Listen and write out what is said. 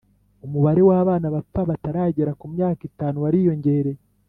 umubare w'abana bapfa batarageza ku myaka itanu wariyongereye